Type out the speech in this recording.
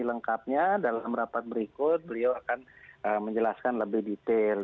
jadi lengkapnya dalam rapat berikut beliau akan menjelaskan lebih detail